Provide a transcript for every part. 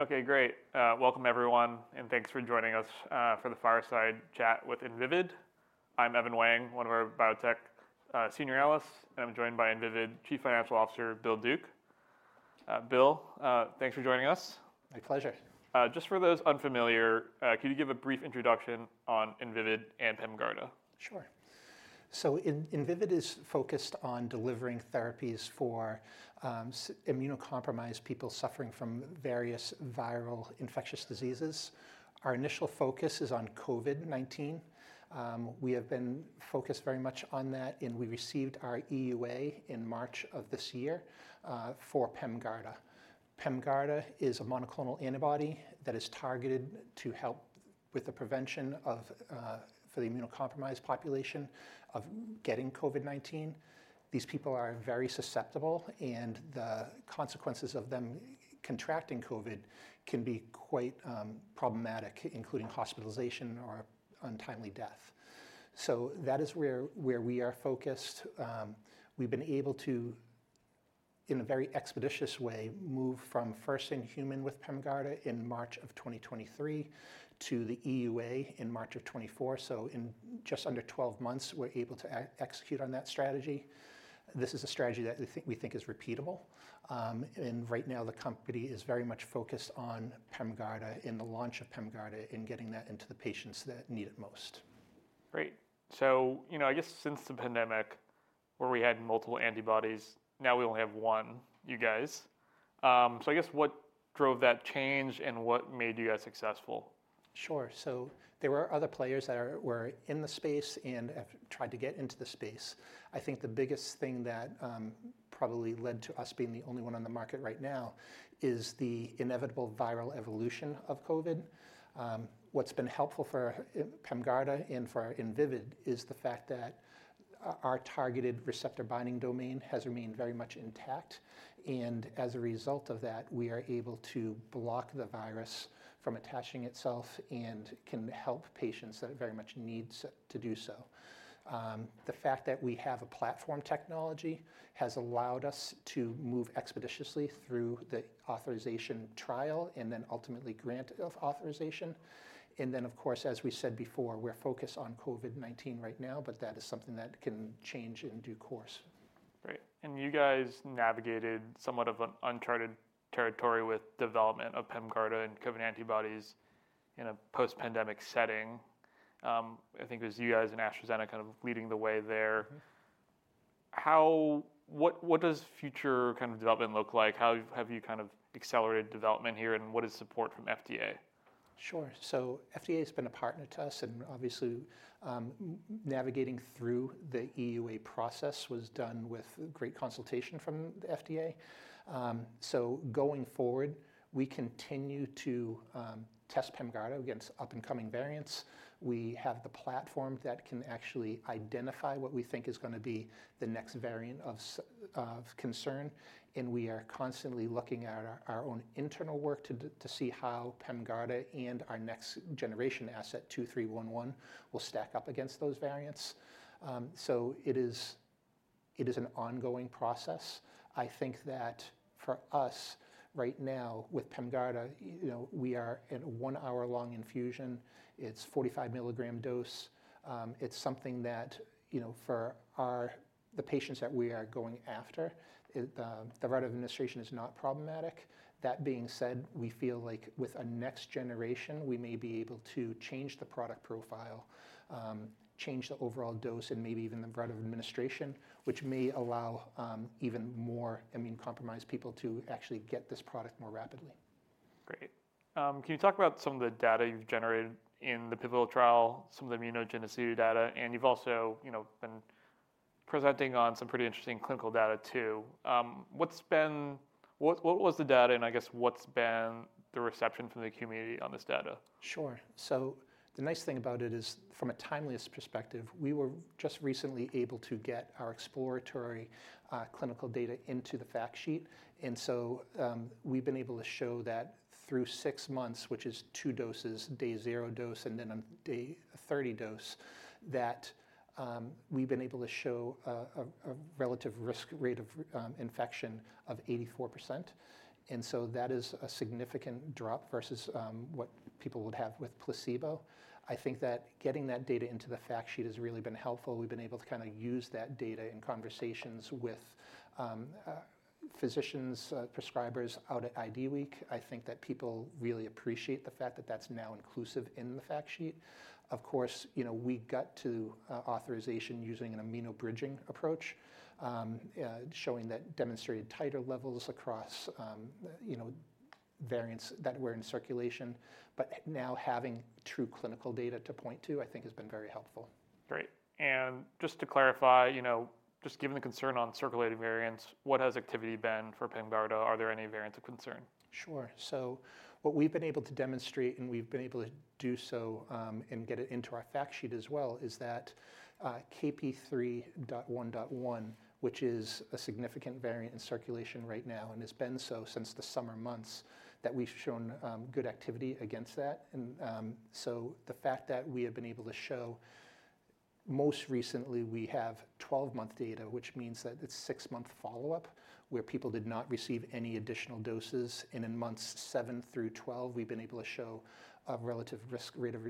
Okay, great. Welcome, everyone, and thanks for joining us for the fireside chat with Invivyd. I'm Evan Wang, one of our biotech senior analysts, and I'm joined by Invivyd Chief Financial Officer Bill Duke. Bill, thanks for joining us. My pleasure. Just for those unfamiliar, could you give a brief introduction on Invivyd and Pemgarda? Sure. So Invivyd is focused on delivering therapies for immunocompromised people suffering from various viral infectious diseases. Our initial focus is on COVID-19. We have been focused very much on that, and we received our EUA in March of this year for Pemgarda. Pemgarda is a monoclonal antibody that is targeted to help with the prevention for the immunocompromised population of getting COVID-19. These people are very susceptible and the consequences of them contracting COVID-19 can be quite problematic, including hospitalization or untimely death. That is where we are focused. We've been able to, in a very expeditious way, move from first in human with Pemgarda in March of 2023 to the EUA in March of 2024. So in just under 12 months, we're able to execute on that strategy. This is a strategy that we think is repeatable. Right now the company is very much focused on Pemgarda in the launch of Pemgarda and getting that into the patients that need it most. Great. So, you know, I guess since the pandemic where we had multiple antibodies, now we only have one, you guys. So I guess what drove that change and what made you guys successful? Sure, so there were other players that were in the space and have tried to get into the space. I think the biggest thing that probably led to us being the only one on the market right now is the inevitable viral evolution of COVID. What's been helpful for Pemgarda and for Invivyd is the fact that our targeted receptor binding domain has remained very much intact, and as a result of that, we are able to block the virus from attaching itself and can help patients that very much need to do so. The fact that we have a platform technology has allowed us to move expeditiously through the authorization trial and then ultimately grant authorization, and then, of course, as we said before, we're focused on COVID-19 right now, but that is something that can change in due course. Great. And you guys navigated somewhat of an uncharted path territory with development of Pemgarda and COVID antibodies in a post-pandemic setting. I think it was you guys and AstraZeneca kind of leading the way there. How, what, what does future kind of development look like? How have you kind of accelerated development here and what is support from FDA? Sure. FDA has been a partner to us and obviously navigating through the EUA process was done with great consultation from the FDA. Going forward we continue to test Pemgarda against up and coming variants. We have the platform that can actually identify what we think is going to be the next variant of concern. We are constantly looking at our own internal work to see how Pemgarda and our next generation asset VYD2311 will stack up against those variants. It is an ongoing process. I think that for us right now with Pemgarda, we are in a one hour long infusion, it's 45 milligram dose. It's something that for the patients that we are going after, the route of administration is not problematic. That being said, we feel like with a next generation we may be able to change the product profile, change the overall dose and maybe even the route of administration, which may allow even more immunocompromised people to actually get this product more rapidly. Great. Can you talk about some of the data you've generated in the pivotal trial, some of the immunogenicity data, and you've also been presenting on some pretty interesting clinical data too. What was the data, and I guess what's been the reception from the community on this data? Sure. So the nice thing about it is from a timeliness perspective, we were just recently able to get our exploratory clinical data into the fact sheet. And so we've been able to show that through six months, which is two doses day zero dose and then on day 30 dose that we've been able to show a relative risk rate of infection of 84%. And so that is a significant drop versus what people would have with placebo. I think that getting that data into the fact sheet has really been helpful. We've been able to kind of use that data in conversations with physicians prescribers out at IDWeek. I think that people really appreciate the fact that that's now inclusive in the fact sheet. Of course we got to authorization using an immunobridging approach showing that demonstrated titer levels across variants that were in circulation. But now having true clinical data to point to I think has been very helpful. Great. And just to clarify, just given the concern on circulating variants, what has activity been for Pemgarda? Are there any variants of concern? Sure. So what we've been able to demonstrate and we've been able to do so and get it into our fact sheet as well is that KP.3.1.1, which is a significant variant in circulation right now and has been so since the summer months, that we've shown good activity against that. And so. So the fact that we have been able to show most recently we have 12-month data, which means that it's 6-month follow-up where people did not receive any additional doses and in months seven through 12 we've been able to show a relative risk rate of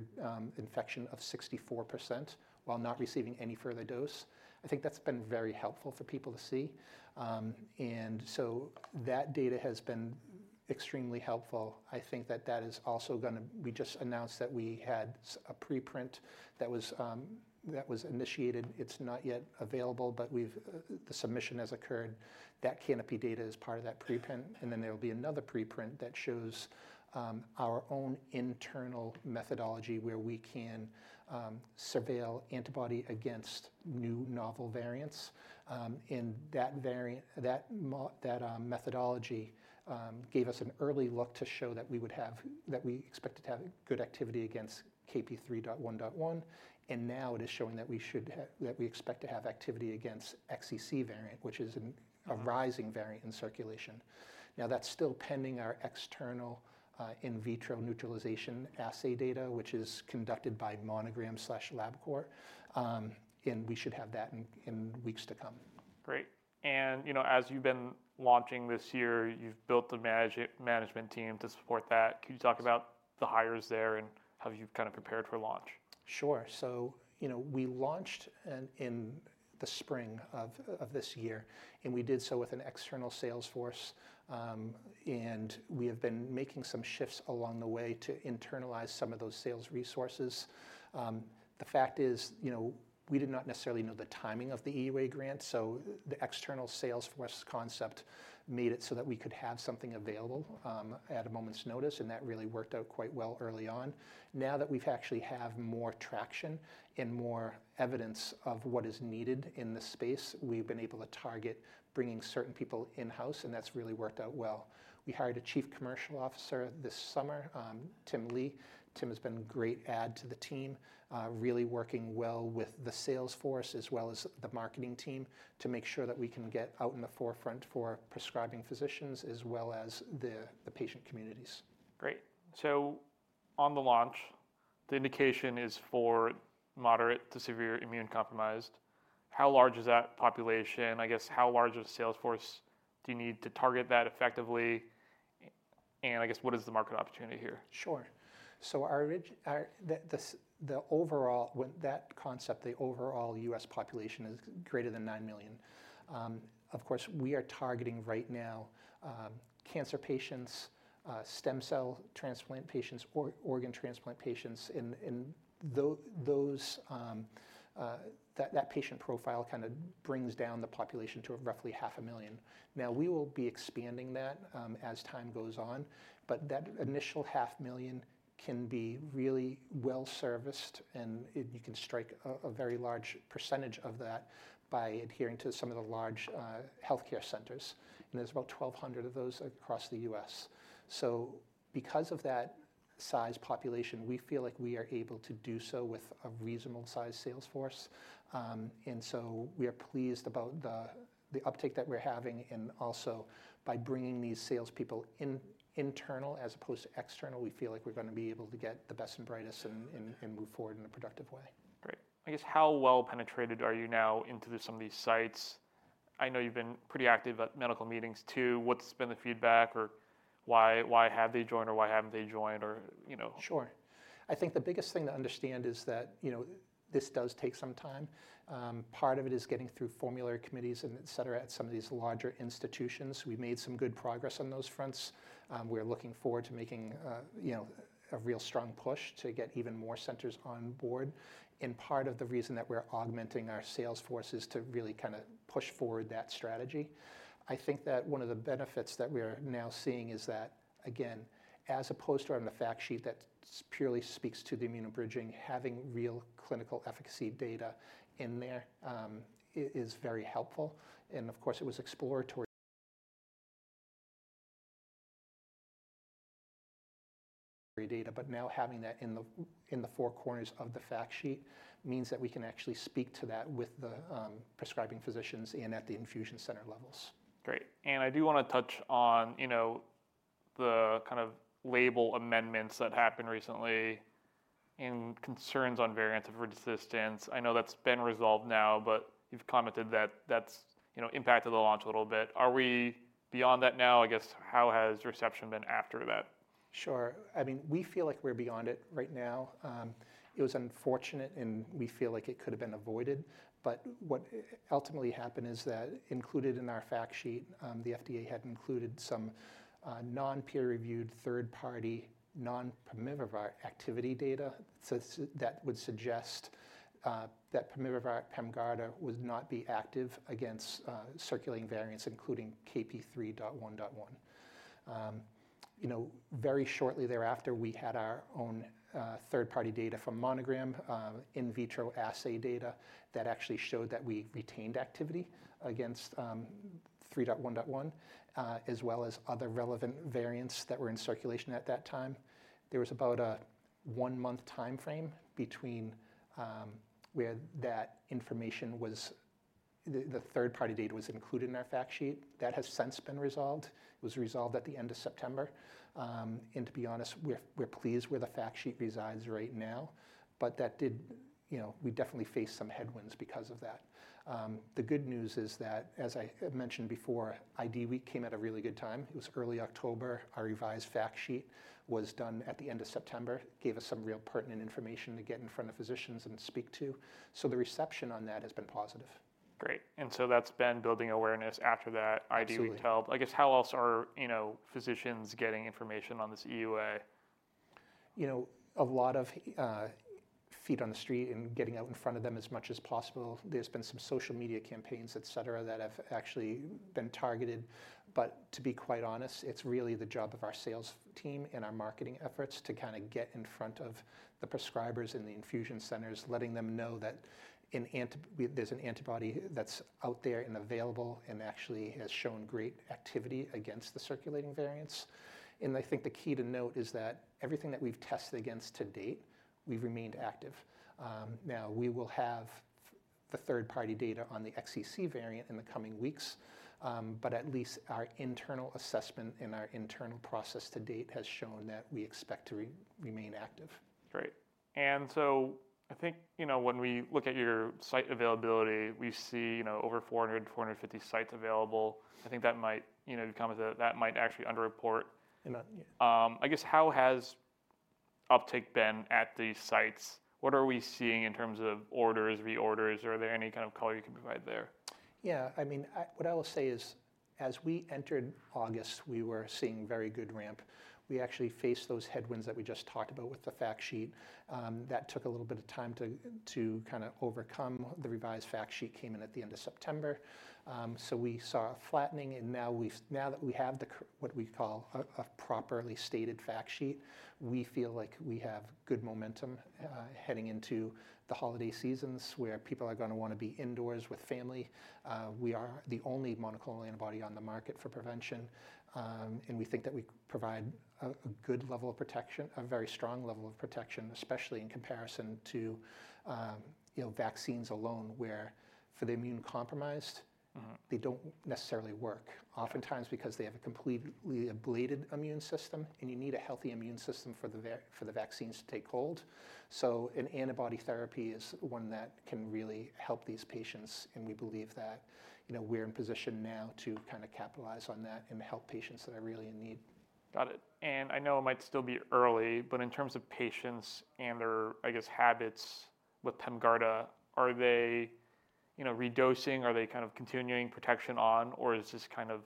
infection of 64% while not receiving any further dose. I think that's been very helpful for people to see and so that data has been extremely helpful. I think that that is also going to. We just announced that we had a preprint that was initiated. It's not yet available, but the submission has occurred that CANOPY data is part of that preprint. And then there will be another preprint that shows our own internal methodology where we can surveil antibody against new novel variants. In that methodology gave us an early look to show that we expected to have good activity against KP.3.1.1 and now it is showing that we expect to have activity against XEC variant which is a rising variant in circulation. Now that's still pending our external in vitro neutralization assay data which is conducted by Monogram/Labcorp and we should have that in weeks to come. Great. And as you've been launching this year, you've built the management team to support that. Can you talk about the hires there and how have you kind of prepared for launch? Sure, so we launched in the spring of this year and we did so with an external sales force and we have been making some shifts along the way to internalize some of those sales resources. The fact is, you know, we did not necessarily know the timing of the EUA grant, so the external sales force concept made it so that we could have something available at a moment's notice, and that really worked out quite well early on. Now that we actually have more traction and more evidence of what is needed in the space, we've been able to target bringing certain people in house and that's really worked out well. We hired a Chief Commercial Officer this summer, Tim Lee. Tim has been a great add to the team, really working well with the sales force as well as the marketing team to make sure that we can get out in the forefront for prescribing physicians as well as the patient communities. Great. So on the launch the indication is for moderate to severe immunocompromised. How large is that population? I guess how large of a sales force do you need to target that effectively? And I guess what is the market opportunity here? Sure. So that concept, the overall U.S. population is greater than nine million. Of course, we are targeting right now cancer patients, stem cell transplant patients, organ transplant patients. And that patient profile kind of brings down the population to roughly 500,000. Now, we will be expanding that as time goes on. But that initial 500,000 can be really well serviced. And you can strike a very large percentage of that by adhering to some of the large healthcare centers. And there's about 1,200 of those across the U.S. so because of that size population, we feel like we are able to do so with a reasonable size sales force. And so we are pleased about the uptake that we're having. Also by bringing these sales people internal as opposed to external, we feel like we're going to be able to get the best and brightest and move forward in a productive way. Great. I guess. How well penetrated are you now into some of these sites? I know you've been pretty active at medical meetings too. What's been the feedback or why have they joined or why haven't they joined or, you know? Sure. I think the biggest thing to understand is that this does take some time. Part of it is getting through formulary committees and et cetera at some of these larger institutions. We've made some good progress on those fronts. We're looking forward to making a real strong push to get even more centers on board. And part of the reason that we're augmenting our sales force is to really kind of push forward that strategy. I think that one of the benefits that we are now seeing is that again, as opposed to on the fact sheet, that purely speaks to the immunobridging. Having real clinical efficacy data in there is very helpful. And of course, it was exploratory data. But now having that in the four corners of the fact sheet means that we can actually speak to that with the prescribing physicians and at the infusion center level. Great. I do want to touch on, you know, the kind of label amendments that happened recently and concerns on variants of resistance. I know that's been resolved now, but you've commented that that's, you know, impacted the launch a little bit. Are we beyond that now? I guess. How has reception been after that? Sure. I mean, we feel like we're beyond it right now. It was unfortunate and we feel like it could have been avoided. But what ultimately happened is that included in our fact sheet. The FDA had included some non peer reviewed third party non-promising activity data that would suggest that Pemgarda would not be active against circulating variants including KP.3.1.1. Very shortly thereafter we had our own third party data from Monogram in vitro assay data that actually showed that we retained activity against KP.3.1.1 as well as other relevant variants that were in circulation at that time. There was about a one month time frame between where that information was. The third party data was included in our fact sheet that has since been resolved. It was resolved at the end of September and to be honest, we're pleased where the fact sheet resides right now. But that did, you know, we definitely faced some headwinds because of that. The good news is that as I mentioned before, IDWeek came at a really good time. It was early October. Our revised fact sheet was done at the end of September, gave us some real pertinent information to get in front of physicians and speak to. So the reception on that has been positive. Great. And so that's been building awareness after that. I'd really help, I guess. How else are you physicians getting information on this EUA. You know, a lot. Of feet on the street and getting out in front of them as much as possible. There's been some social media campaigns, et cetera, that have actually been targeted. But to be quite honest, it's really the job of our sales team and our marketing efforts to kind of get in front of the prescribers in the infusion centers, letting them know that there's an antibody I think when we look at your site availability we see over 400, 450 sites available. I think that might, you know, that might actually under report, I guess. How has uptake been at these sites? What are we seeing in terms of orders, reorders? Are there any kind of color you can provide there? Yeah, I mean, what I will say is, as we entered August, we were seeing very good ramp. We actually faced those headwinds that we just talked about with the fact sheet that took a little bit of time to kind of overcome. The revised fact sheet came in at the end of September. So we saw a flattening, and now that we have what we call a properly stated fact sheet, we feel like we have good momentum heading into the holiday seasons where people are going to want to be indoors with family. We are the only monoclonal antibody on the market for prevention, and we think that we provide a good level of protection, a very strong level of protection, especially in comparison to vaccines alone, where for the immunocompromised, they don't necessarily work oftentimes because they have a completely ablated immune system, and you need a healthy immune system for the vaccines to take hold, so an antibody therapy is one that can really help these patients, and we believe that we're in position now to capitalize on that and help patients that are really in need. Got it. And I know it might still be early, but in terms of patients and their, I guess, habits with Pemgarda, are they redosing, are they kind of continuing protection on or is this kind of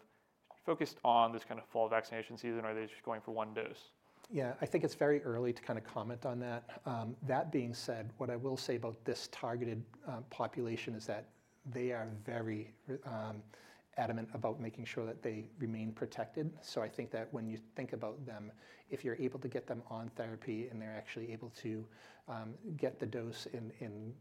focused on this kind of fall vaccination season? Are they just going for one dose? Yeah, I think it's very early to kind of comment on that. That being said, what I will say about this targeted population is that they are very, very adamant about making sure that they remain protected, so I think that when you think about them, if you're able to get them on therapy and they're actually able to get the dose and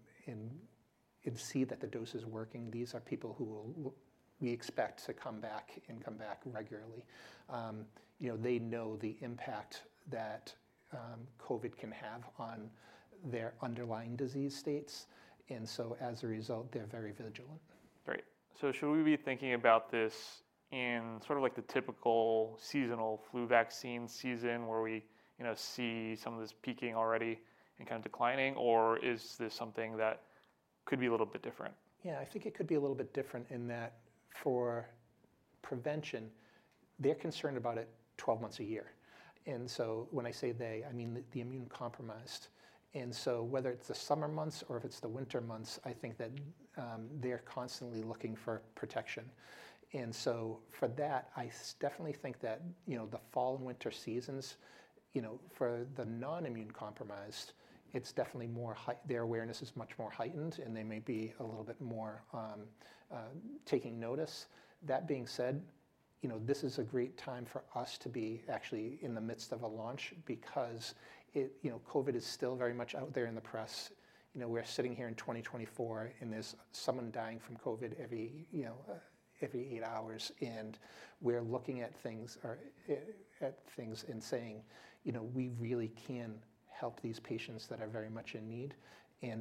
see that the dose is working, these are people who we expect to come back and come back regularly. They know the impact that COVID can have on their underlying disease states, and so as a result, they're very vigilant. Great. So should we be thinking about this in sort of like the typical seasonal flu vaccine season where we see some of this peaking already and kind of declining, or is this something that could be a little bit different? Yeah, I think it could be a little bit different in that for prevention, they're concerned about it 12 months a year. And so when I say they, I mean the immunocompromised. And so whether it's the summer months or if it's the winter months, I think that they're constantly looking for protection. And so for that, I definitely think that the fall and winter seasons for the non-immunocompromised, it's definitely more. Their awareness is much more heightened and they may be a little bit more taking notice. That being said, this is a great time for us to be actually in the midst of a launch because COVID is still very much out there in the press. We're sitting here in 2024 and there's someone dying from COVID every eight hours. We're looking at things and saying we really can help these patients that are very much in need.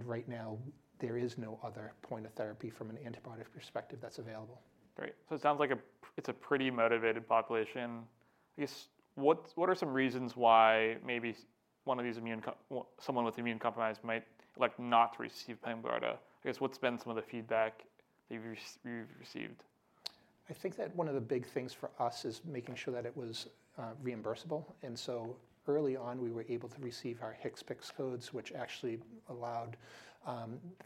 Right now there is no other point of therapy from an antibody perspective that's available. Great, so it sounds like it's a pretty motivated population. I guess. What are some reasons why maybe one of these immune, someone with immune compromise might like not to receive Pemgarda? I guess what's been some of the feedback that you've received. I think that one of the big things for us is making sure that it was reimbursable, and so early on we were able to receive our HCPCS codes, which actually allowed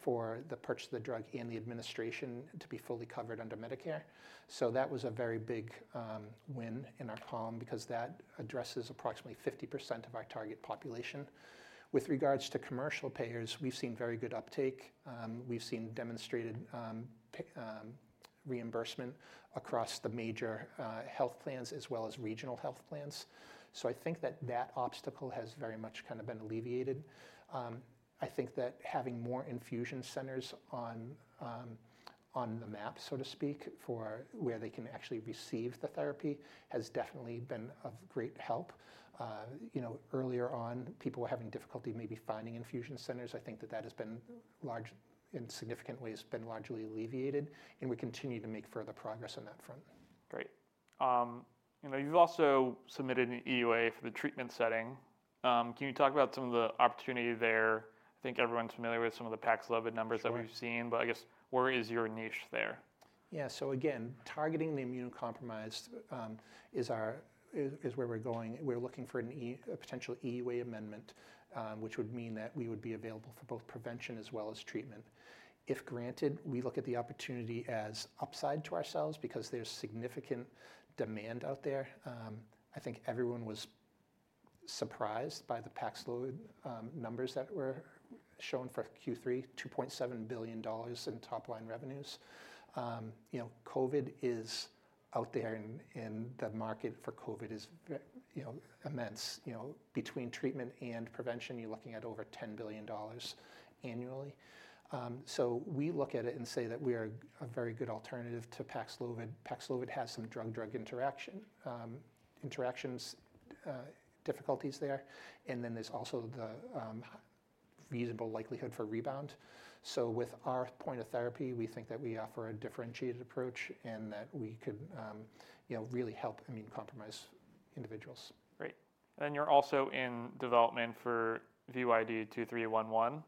for the purchase of the drug and the administration to be fully covered under Medicare, so that was a very big win in our column because that addresses approximately 50% of our target population. With regards to commercial payers, we've seen very good uptake. We've seen demonstrated reimbursement across the major health plans as well as regional health plans, so I think that obstacle has very much kind of been alleviated. I think that having more infusion centers on the map, so to speak, for where they can actually receive the therapy has definitely been of great help. Earlier on, people were having difficulty maybe finding infusion centers. I think that has been largely in significant ways largely alleviated, and we continue to make further progress on that front. Great. You've also submitted an EUA for the treatment setting. Can you talk about some of the opportunity there? I think everyone's familiar with some of the Paxlovid numbers that we've seen, but I guess where is your niche there? Yeah. So again, targeting the immunocompromised is where we're going. We're looking for a potential EUA amendment, which would mean that we would be available for both prevention as well as treatment. If granted, we look at the opportunity as upside to ourselves because there's significant demand out there. I think everyone was surprised by the Paxlovid numbers that were shown for Q3. $2.7 billion in top line revenues. COVID is out there and the market for COVID is immense. Between treatment and prevention, you're looking at over $10 billion annually. So we look at it and say that we are a very good alternative to Paxlovid. Paxlovid has some drug-drug interaction difficulties there and then there's also the reasonable likelihood for rebound. So with our point of therapy, we think that we offer a differentiated approach and that we could really help immunocompromised individuals. Great. Then you're also in development for VYD2311.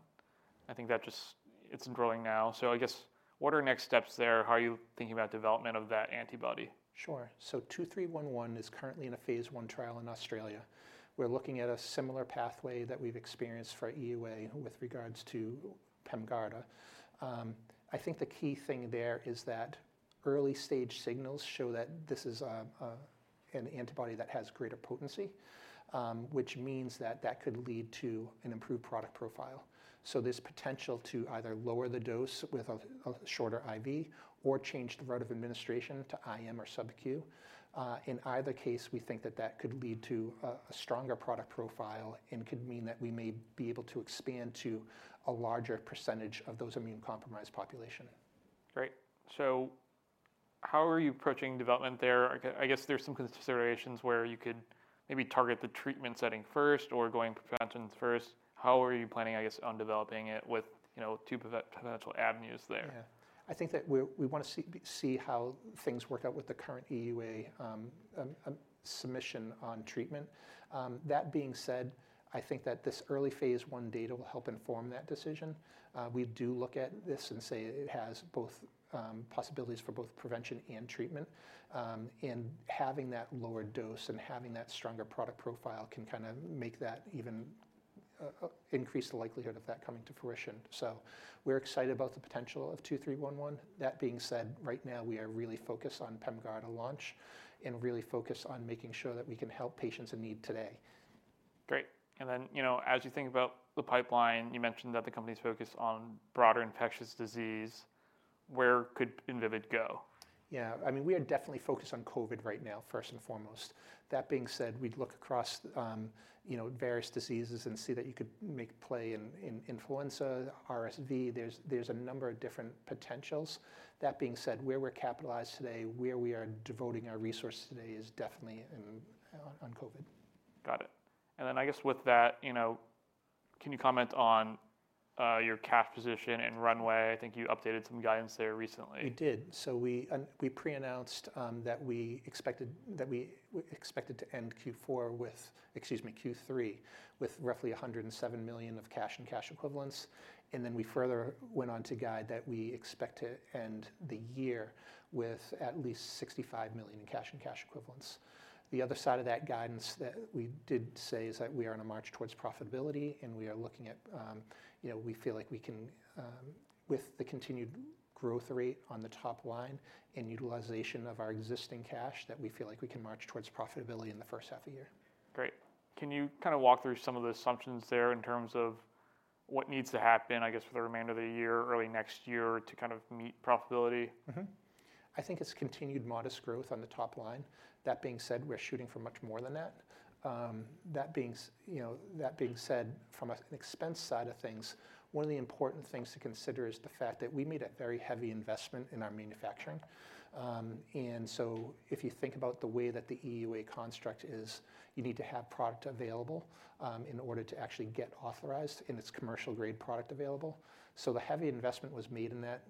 It's growing now. So I guess what are next steps there? How are you thinking about development of that antibody? Sure. So VYD2311 is currently in a Phase 1 trial in Australia. We're looking at a similar pathway that we've experienced for EUA with regards to Pemgarda. I think the key thing there is that early stage signals show that this is an antibody that has greater potency, which means that could lead to an improved product profile. So this potential to either lower the dose with a shorter IV or change the route of administration to IM or SubQ. In either case, we think that could lead to a stronger product profile and could mean that we may be able to expand to a larger percentage of those immunocompromised population. Great. So how are you approaching development there? I guess there's some considerations where you could maybe target the treatment setting first or going prevention first. How are you planning, I guess on developing it? With two potential avenues there. I think that we want to see how things work out with the current EUA submission on treatment. That being said, I think that this early Phase 1 data will help inform that decision. We do look at this and say it has both possibilities for both prophylaxis, prevention and treatment, and having that lower dose and having that stronger product profile can kind of make that even increase the likelihood of that coming to fruition, so we're excited about the potential of VYD2311. That being said, right now we are really focused on Pemgarda launch and really focus on making sure that we can help patients in need today. Great. And then you know, as you think about the pipeline, you mentioned that the company's focus on broader infectious disease, where could Invivyd go? Yeah, I mean we are definitely focused on COVID right now first and foremost. That being said, we'd look across various diseases and see that you could make a play in influenza, RSV. There's a number of different potentials. That being said, where we're capitalized today, where we are devoting our resources today is definitely on COVID. Got it. And then I guess with that, can you comment on your cash position and runway? I think you updated some guidance there recently. We did. So we pre-announced that we expected to end Q4 with, excuse me, Q3 with roughly $107 million of cash and cash equivalents. And then we further went on to guide that. We expect to end the year with at least $65 million in cash and cash equivalents. The other side of that guidance that we did say is that we are on a march towards profitability and we are looking at, you know, we feel like we can, with the continued growth rate on the top line and utilization of our existing cash that we feel like we can march towards profitability in the first half of the year. Great. Can you kind of walk through some of the assumptions there in terms of what needs to happen? I guess for the remainder of the year, early next year to kind of meet profitability? I think it's continued modest growth on the top line. That being said, we're shooting for much more than that. That being said, from an expense side of things, one of the important things to consider is the fact that we made a very heavy investment in our manufacturing. And so if you think about the way that the EUA construct is, you need to have product available in order to actually get authorized in its commercial grade product, product available. So the heavy investment was made in that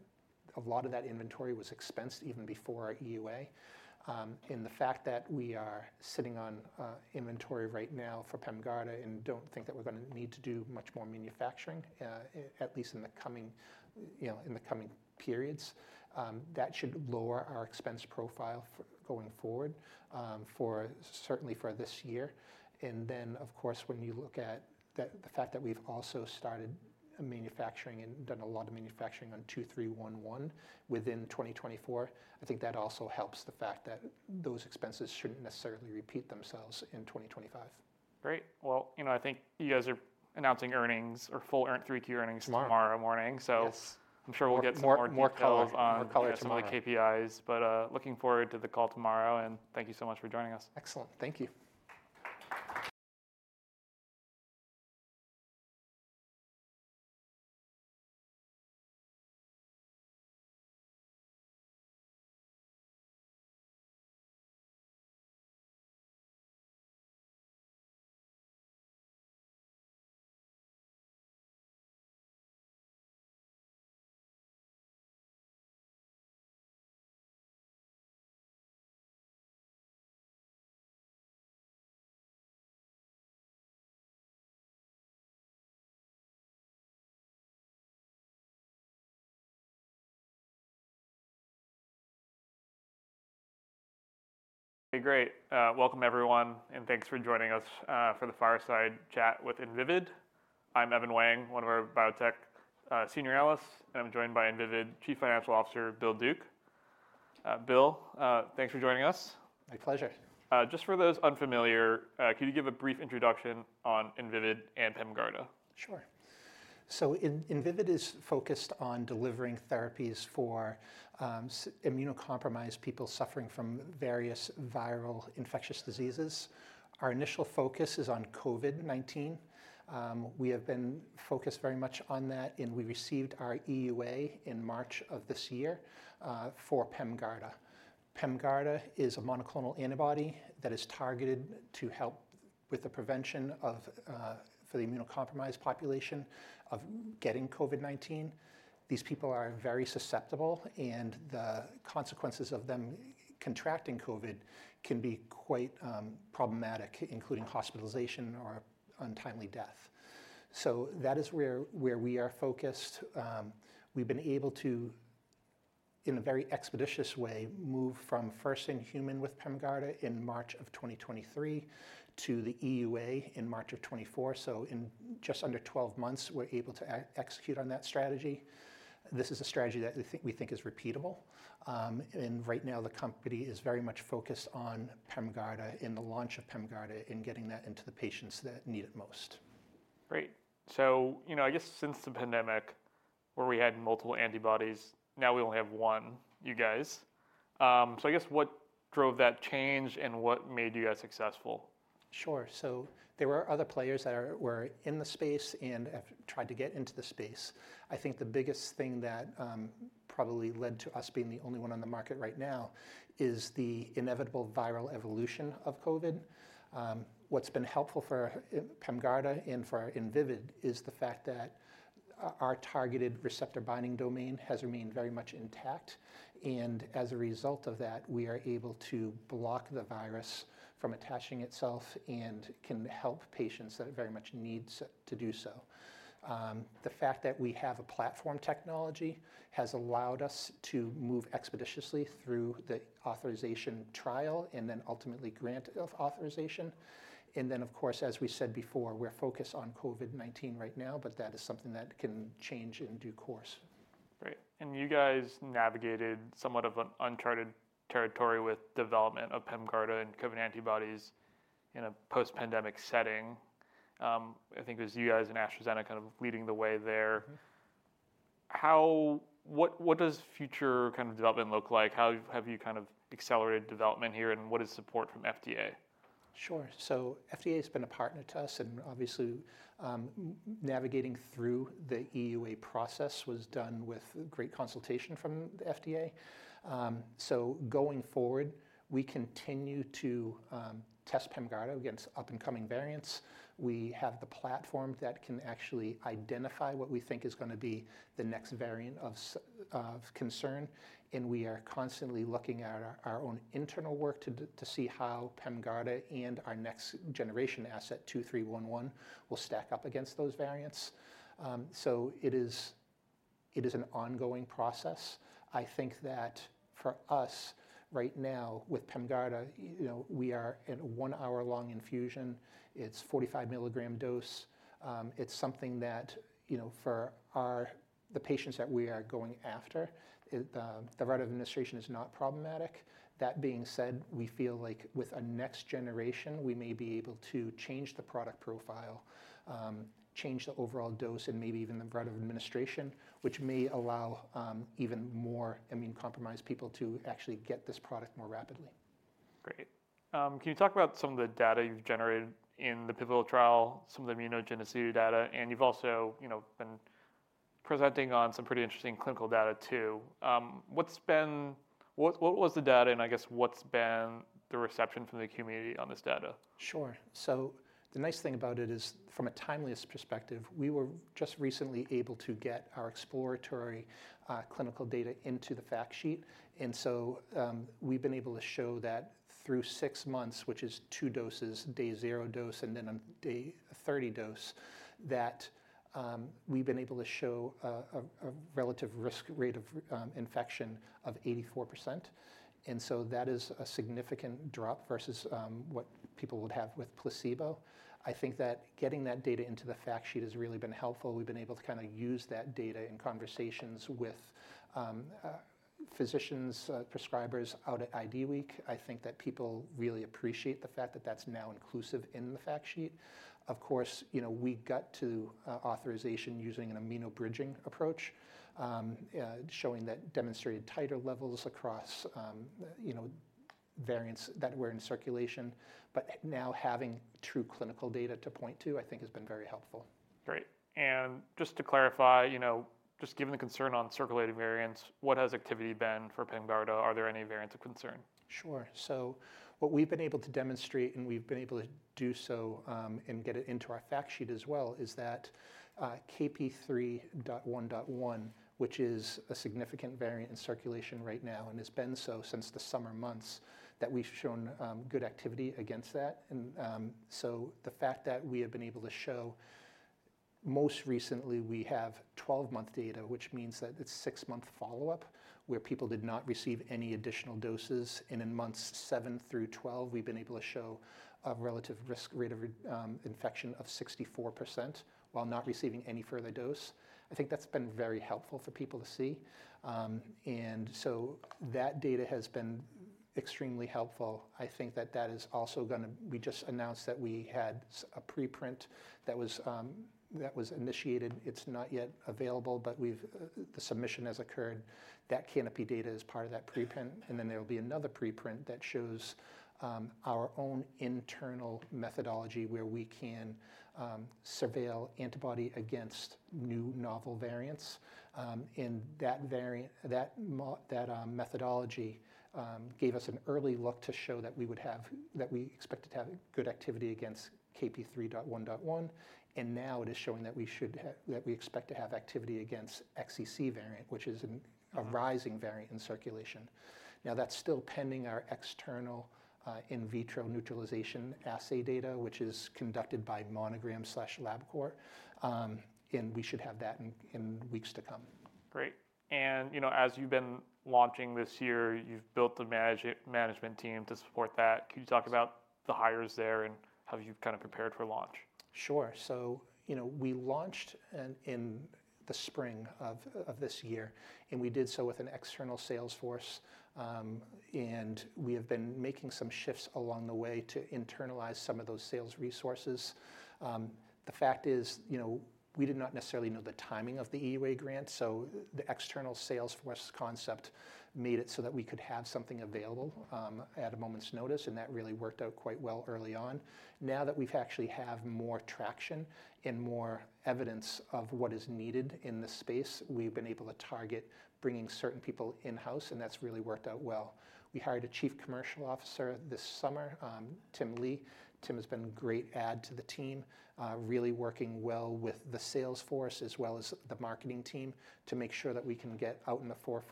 a lot of that inventory was expensed even before our EUA. And the fact that we are sitting on inventory right now for Pemgarda and don't think that we're going to need to do much more manufacturing, at least in the coming periods, that should lower our expense profile going forward certainly for this year. Then of course, when you look at the fact that we've also started manufacturing and done a lot of manufacturing on VYD2311 within 2024, I think that also helps the fact that those expenses shouldn't necessarily repeat themselves in 2025. Great. Well, you know, I think you guys are announcing earnings or full 3Q earnings tomorrow morning, so I'm sure we'll get some more color on some of the KPIs, but looking forward to the call tomorrow, and thank you so much for joining us. Excellent. Thank you.